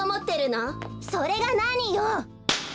それがなによ！